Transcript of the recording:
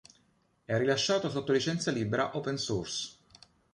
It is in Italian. È rilasciato sotto licenza libera Open Source.